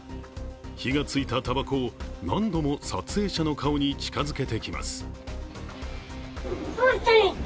火がついたたばこを何度も撮影者の顔に近づけてきます。